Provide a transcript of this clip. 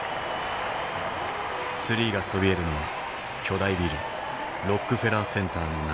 ツリーがそびえるのは巨大ビルロックフェラーセンタ−の中庭。